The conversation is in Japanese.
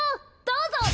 どうぞ！